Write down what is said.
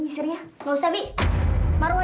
harus kamu kasih papa beast va' gwah seharusnya